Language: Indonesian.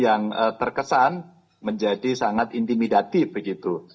yang terkesan menjadi sangat intimidatif begitu